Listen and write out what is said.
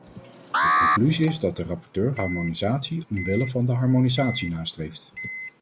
De conclusie is dat de rapporteur harmonisatie omwille van de harmonisatie nastreeft.